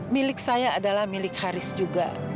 milik saya adalah milik haris juga